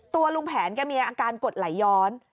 ตัวลุงแผนแกมีอาการกดไหลย้อน